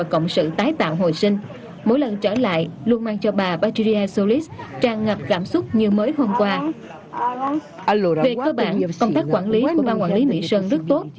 công tác quản lý của ba quản lý mỹ sơn rất tốt